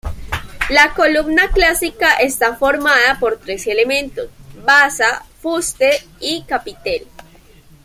La columna clásica está formada por tres elementos: basa, fuste y capitel.